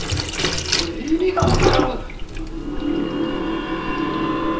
意味が分からん。